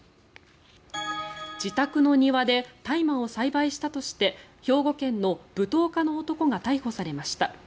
自宅の庭で大麻を栽培したとして兵庫県の舞踏家の男が逮捕されました。